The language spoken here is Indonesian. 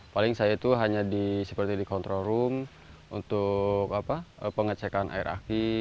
paling saya itu hanya seperti di control room untuk pengecekan air aki